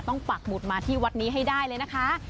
ต้องปากบุตรมาที่วัดนี้ให้ได้เลยนะคะ